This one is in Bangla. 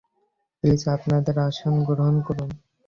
প্লিজ আপনাদের আসন গ্রহণ করুন।